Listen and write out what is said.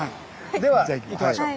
では行きましょう。